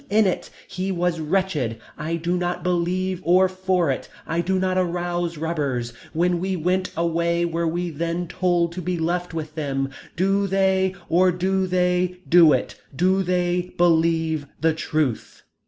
In it. He was wretched. I do not believe or for it. I do not arouse rubbers. When we went away were we then told to be left with them. Do they or do they do it. Do they believe the truth.